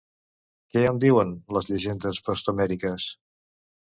Què en diuen les llegendes post-homèriques?